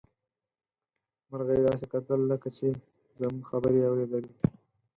مرغۍ داسې کتل لکه چې زموږ خبرې يې اوريدلې.